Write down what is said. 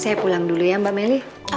saya pulang dulu ya mbak melly